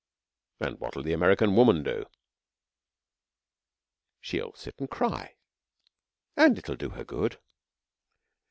'And what'll the American Woman do?' 'She'll sit and cry and it'll do her good.'